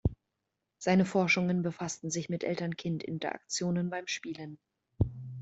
Seine Forschungen befassten sich mit Eltern-Kind-Interaktionen beim Spielen.